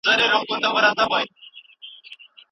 په څېړنه کي فکري وضاحت ډېر اړین دی.